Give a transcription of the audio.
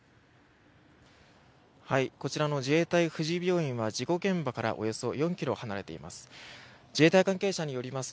こちらの自衛隊富士病院は事故現場からおよそ４ｋｍ離れています。